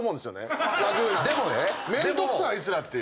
めんどくさいあいつらっていう。